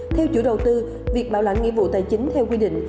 theo chủ đầu tư việc bảo lãnh nghĩa vụ tài chính theo quy định